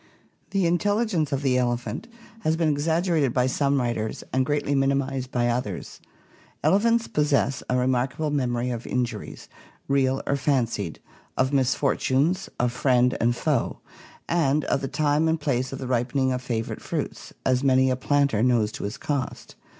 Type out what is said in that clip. The intelligence of the elephant has been exaggerated by some writers and greatly minimized by others. Elephants possess a remarkable memory of injuries, real or fancied; of misfortunes; of friend and foe; and of the time and place of the ripening of fa vorite fruits, as many a planter knows to his cost.